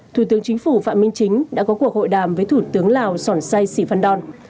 thủ tướng chính phủ phạm minh chính đã có cuộc hội đàm với thủ tướng lào sòn sai sì phan đòn